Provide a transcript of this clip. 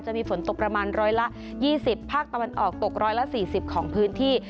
จะมีฝนตกประมาณร้อยละ๒๐ภาคตะวันออกตกร้อยละ๔๐ของพื้นที่